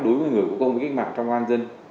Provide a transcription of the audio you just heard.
đối với người có công với cách mạng trong công an dân